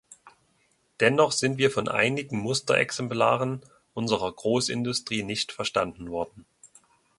Dennoch sind wir von einigen Musterexemplaren unserer Großindustrie nicht verstanden worden.